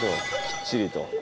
きっちりと。